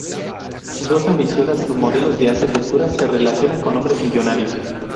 Dos ambiciosas modelos de alta costura se relacionan con hombres millonarios.